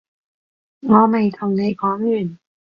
我未同你講完